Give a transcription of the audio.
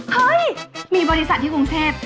เฮ้ยมีบริษัทที่กรุงเทพ